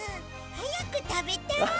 はやくたべたい！